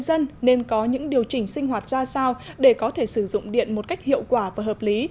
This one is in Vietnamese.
dân nên có những điều chỉnh sinh hoạt ra sao để có thể sử dụng điện một cách hiệu quả và hợp lý